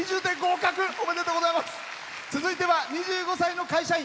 続いては２５歳の会社員。